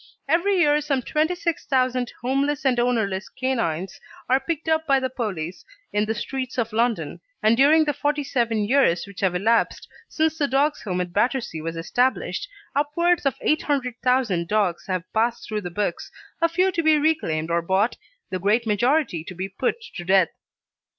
Every year some 26,000 homeless and ownerless canines are picked up by the police in the streets of London, and during the forty seven years which have elapsed since the Dogs' Home at Battersea was established, upwards of 800,000 dogs have passed through the books, a few to be reclaimed or bought, the great majority to be put to death.